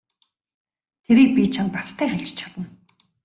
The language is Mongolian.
Тэрийг би чамд баттай хэлж чадна.